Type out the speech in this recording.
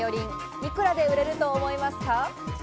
いくらで売れると思いますか？